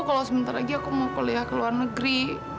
kalau sebentar lagi aku mau kuliah ke luar negeri